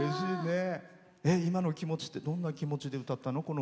今の気持ちってどんな気持ちで歌ったの？